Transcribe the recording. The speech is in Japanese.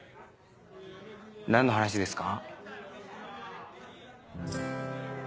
何の話ですか？